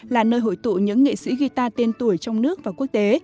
là nơi hội tụ những nghệ sĩ guitar tiên tuổi trong nước và quốc tế